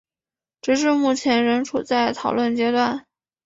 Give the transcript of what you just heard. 直至目前仍处在讨论阶段。